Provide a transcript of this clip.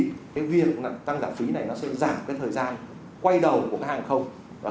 cái viên tăng giảm phí này nó sẽ giảm cái thời gian quay đầu của hàng không